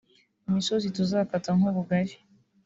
Imisozi tuzakata nk'ubugari